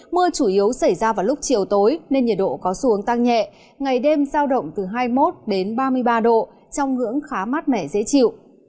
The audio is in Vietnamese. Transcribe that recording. mưa chủ yếu xảy ra vào lúc chiều tối nên nhiệt độ có xu hướng tăng nhẹ ngày đêm sao động từ hai mươi một đến ba mươi ba độ trong hướng khá mát mẻ dễ chịu